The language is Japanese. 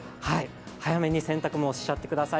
早めに洗濯物しちゃってください。